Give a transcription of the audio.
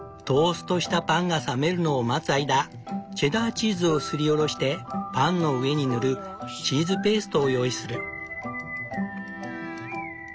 トーストしたパンが冷めるのを待つ間チェダーチーズをすりおろしてパンの上に塗るチーズペーストを用意する。